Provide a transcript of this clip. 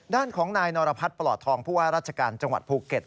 ด้านของนายนรพัฒน์ปลอดทองผู้ว่าราชการจังหวัดภูเก็ต